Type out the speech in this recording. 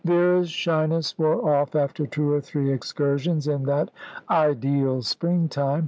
Vera's shyness wore off after two or three excursions in that ideal spring time.